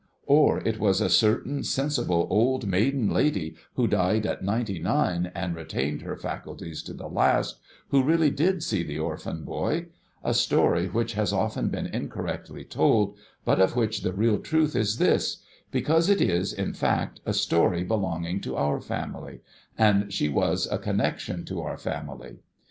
Or, it was a certain sensible old maiden lady, who died at ninety nine, and retained her faculties to the last, who really did see the Orphan Boy ; a story which has often been incorrectly told, but, of which the real truth is this — because it is, in fact, a story belonging to our family — and she was a connexion of our family.